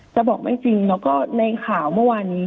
จะบอกไม่จริงแล้วก็ในข่าวเมื่อวานนี้